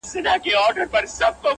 پر اوږو یې ټکاوه ورته ګویا سو.!